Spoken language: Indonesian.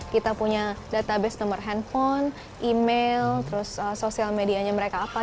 kita punya database nomor handphone email terus sosial medianya mereka apa